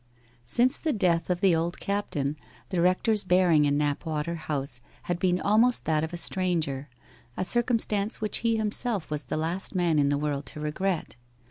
Since the death of the old captain, the rector's bearing in Knapwater House had been almost that of a stranger, a circumstance which he himself was the last man in the world to regret.